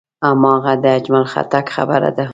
هماغه د اجمل خټک خبره.